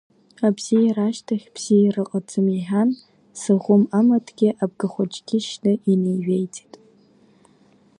Абзиара ашьҭахь бзиара ыҟаӡам, — иҳәан, Саӷәым амаҭгьы, абгахәыҷгьы шьны инеивеиҵеит.